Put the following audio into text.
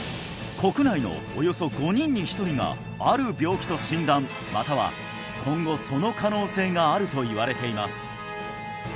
国内のおよそ５人に１人がある病気と診断または今後その可能性があるといわれています